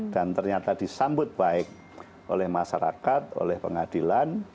dan ternyata disambut baik oleh masyarakat oleh pengadilan